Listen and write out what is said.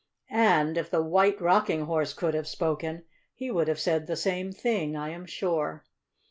And if the White Rocking Horse could have spoken, he would have said the same thing, I am sure.